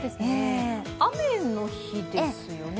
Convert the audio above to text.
雨の日ですよね？